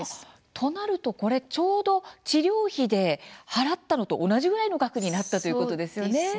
となるとちょうど治療費で払ったのと同じぐらいの額になったということですね。